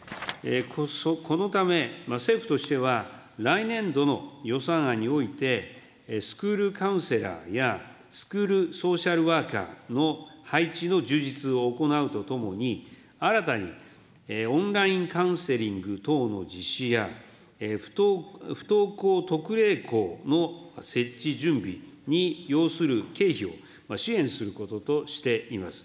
このため、政府としては、来年度の予算案において、スクールカウンセラーや、スクールソーシャルワーカーの配置の充実を行うとともに、新たにオンラインカウンセリング等の実施や、不登校特例校の設置準備に要する経費を、支援することとしています。